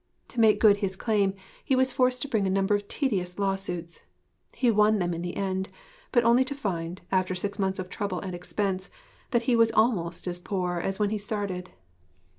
To make good his claim he was forced to bring a number of tedious law suits. He won them in the end; but only to find, after six months of trouble and expense, that he was almost as poor as when he started.